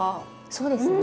そうですね。